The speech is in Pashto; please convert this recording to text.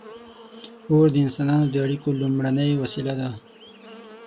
• اور د انسانانو د اړیکو لومړنۍ وسیله وه.